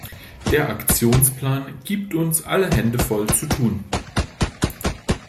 Der Aktionsplan gibt uns alle Hände voll zu tun.